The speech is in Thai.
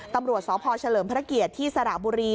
ตำรวจสพเฉลิมพระเกียรติที่สระบุรี